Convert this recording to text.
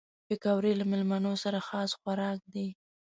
پکورې له مېلمنو سره خاص خوراک دي